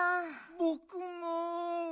ぼくも。